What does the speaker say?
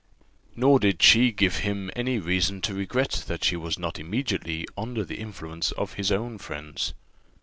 Nor did she give him any reason to regret that she was not immediately under the influence of his own friends.